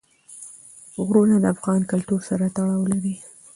غرونه د افغان کلتور سره تړاو لري.